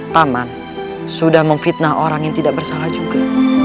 taman sudah memfitnah orang yang tidak bersalah juga